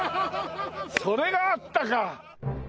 それがあったか！